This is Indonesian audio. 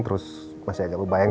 terus masih agak membayang